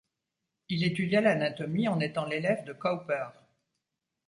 Il étudia l'anatomie en étant l'élève de Cowper.